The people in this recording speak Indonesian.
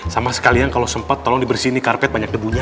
sama sekalian kalau sempat tolong dibersih ini karpet banyak debunya